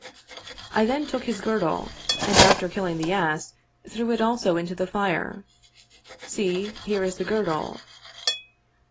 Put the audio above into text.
I then took his girdle, and after killing the ass threw it also into the fire. See, here is the girdle."